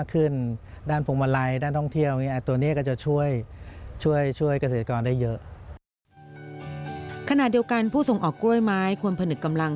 ขณะเดียวกันผู้ส่งออกกล้วยไม้ควรผนึกกำลัง